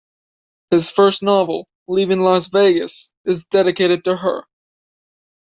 His first novel, "Leaving Las Vegas", is dedicated to her.